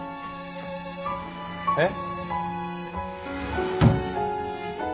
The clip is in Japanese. えっ？